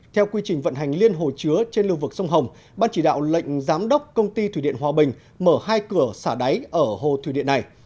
theo quy trình vận hành liên hồ chứa trên lưu vực sông hồng ban chỉ đạo lệnh giám đốc công ty thủy điện hòa bình mở hai cửa xả đáy ở hồ thủy điện này